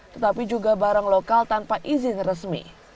tetapi juga barang lokal tanpa izin resmi